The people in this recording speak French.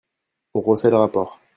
On refait le rapport